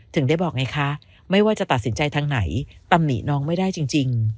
ถึงได้บอกไงคะไม่ว่าจะตัดสินใจทางไหนตำหนิน้องไม่ได้จริง